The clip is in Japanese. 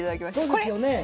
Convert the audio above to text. そうですよね。